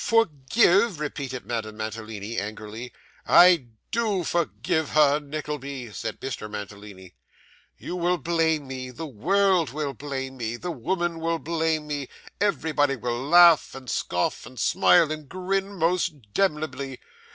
'Forgive!' repeated Madame Mantalini, angrily. 'I do forgive her, Nickleby,' said Mr. Mantalini. 'You will blame me, the world will blame me, the women will blame me; everybody will laugh, and scoff, and smile, and grin most demnebly.